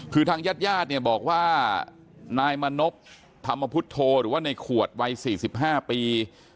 คือทางญาติญาติเนี่ยบอกว่านายมณพธรรมพุทธโธหรือว่าในขวดวัย๔๕ปี